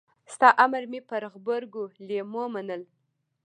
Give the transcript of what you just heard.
ستا امر مې پر غبرګو لېمو منل.